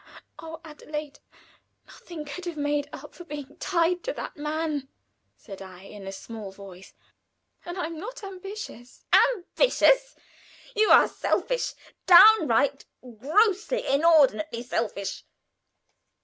"Oh! Adelaide, nothing could have made up for being tied to that man," said I, in a small voice; "and I am not ambitious." "Ambitious! You are selfish downright, grossly, inordinately selfish.